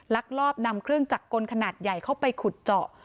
ลักลอบนำเครื่องจักรกลขนาดใหญ่เข้าไปขุดเจาะ